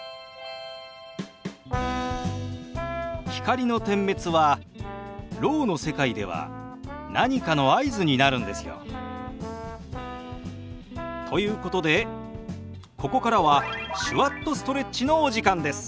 光の点滅はろうの世界では何かの合図になるんですよ。ということでここからは「手話っとストレッチ」のお時間です。